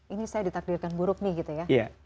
ini saya ditakdirkan buruk nih gitu ya